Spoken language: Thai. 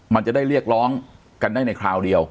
มันจะได้เรียกร้องกันได้ในคราวเดียว